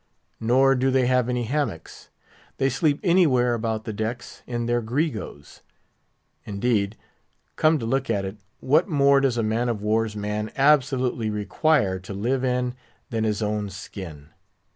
Nor do they have any hammocks; they sleep anywhere about the decks in their gregoes. Indeed, come to look at it, what more does a man of war's man absolutely require to live in than his own skin?